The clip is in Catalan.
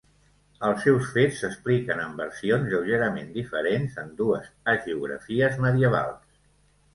Els seus fets s'expliquen en versions lleugerament diferents en dues hagiografies medievals.